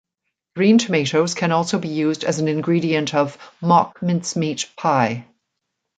Green tomatoes can also be used as an ingredient of "mock mincemeat" pie.